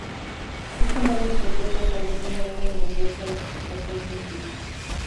Existen varias propuestas sobre cómo debe entenderse a la explicación científica.